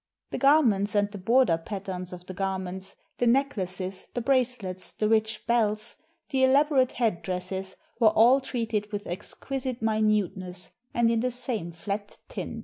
The garments and the border patterns of the garments, the necklaces, the bracelets, the rich belts, the eleborate head dresses, were all treated with exquisite minuteness, and in the same flat tint.